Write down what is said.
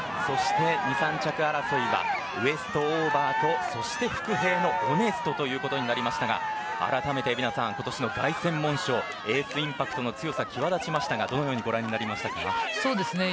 ２、３着争いはウエストオーバーと伏兵のオネストということになりましたがあらためて今年の凱旋門賞エースインパクトの強さ際立ちましたがどのようにご覧になりましたか？